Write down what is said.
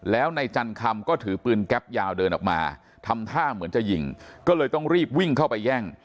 แล้วนายจันคำก็ถือปืนแก๊ปยาวเดินออกมาทำท่าเหมือนจะยิงก็เลยต้องรีบวิ่งเข้าไปแย่ง